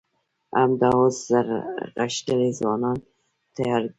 همدا اوس زر غښتلي ځوانان تيار کئ!